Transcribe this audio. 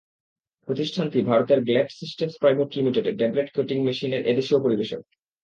প্রতিষ্ঠানটি ভারতের Glatt systems private লিমিটেডের ট্যাবলেট কোটিং মেশিনের এদেশীয় পরিবেশক।